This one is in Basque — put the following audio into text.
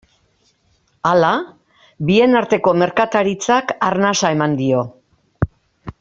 Hala, bien arteko merkataritzak arnasa eman dio.